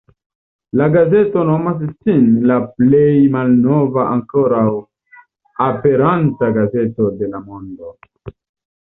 La gazeto nomas sin la plej malnova ankoraŭ aperanta gazeto de la mondo.